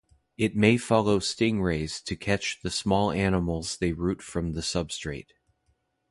It may follow stingrays to catch the small animals they root from the substrate.